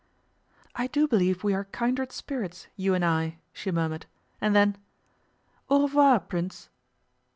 'I do believe we are kindred spirits, you and I,' she murmured; and then, 'Au revoir, Prince!